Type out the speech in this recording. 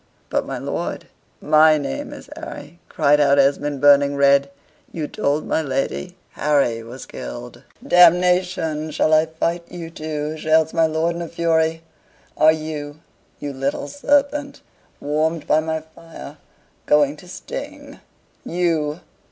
"But, my lord, MY name is Harry," cried out Esmond, burning red. "You told my lady, 'Harry was killed!'" "Damnation! shall I fight you too?" shouts my lord in a fury. "Are you, you little serpent, warmed by my fire, going to sting YOU?